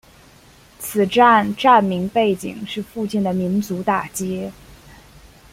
此站站名背景是附近的民族大街。